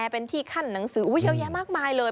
เป็นที่ขั้นหนังสือเยอะแยะมากมายเลย